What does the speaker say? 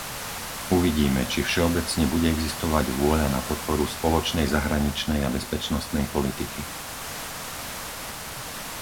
Uvidíme, či všeobecne bude existovať vôľa na podporu spoločnej zahraničnej a bezpečnostnej politiky.